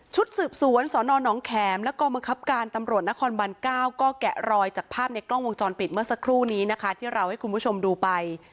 สืบสวนสนน้องแขมและกองบังคับการตำรวจนครบัน๙ก็แกะรอยจากภาพในกล้องวงจรปิดเมื่อสักครู่นี้นะคะที่เราให้คุณผู้ชมดูไป